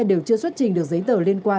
đều chưa xuất trình được giấy tờ liên quan